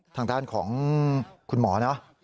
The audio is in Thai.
ทางด้านของคุณหมอเนอะ